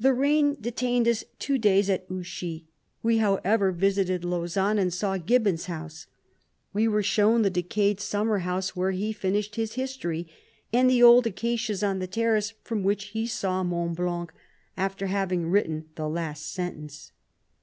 The rain detained us two days at Ouchy. We however visited Lau* 137 sanne, . and saw Gibbon's house. We were shewn the decayed summer house where he finished his History, and the old acacias on the terrace, from which he saw Mont Blanc, after having written the last sentence.